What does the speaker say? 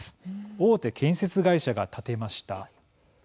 大手建設会社が建てました。